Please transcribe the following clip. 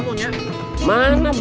kamu mau marah marah kamu